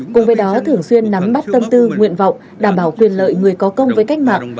cùng với đó thường xuyên nắm bắt tâm tư nguyện vọng đảm bảo quyền lợi người có công với cách mạng